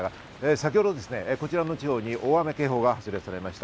先ほど、こちらの地方に大雨警報が発令されました。